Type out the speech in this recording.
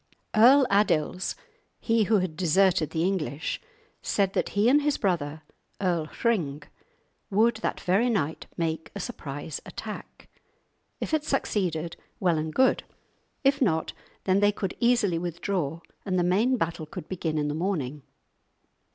Earl Adils, he who had deserted the English, said that he and his brother, Earl Hring, would that very night make a surprise attack; if it succeeded, well and good; if not, then they could easily withdraw, and the main battle could begin in the morning.